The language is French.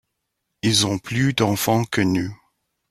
Ils ont plus d’enfants que nous.